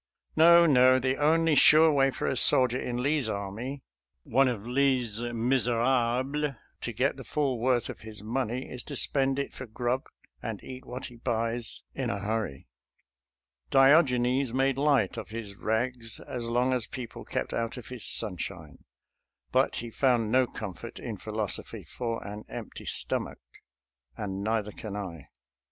No, no, the only sure way for a soldier in Lee's army — one of " Lee's miserables "— to get the full worth of his money is to spend it for grub and eat what he buys in 252 SOLDIER'S LETTERS TO CHARMING NELLIE a hurry. Diogenes made light of his rags as long as people kept out of his sunshine, but he found no comfort in philosophy for an empty stomach, and neither can I.